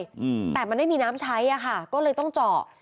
อืมแต่มันไม่มีน้ำใช้อ่ะค่ะก็เลยต้องเจาะ